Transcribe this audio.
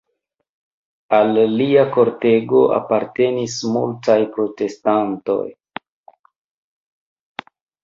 Al lia kortego apartenis multaj protestantoj.